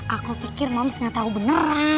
aku pikir mams gak tau beneran